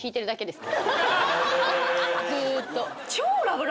ずーっと。